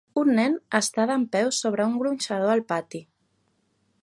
Un nen està dempeus sobre un gronxador al pati.